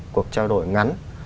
cuộc trao đổi ngắn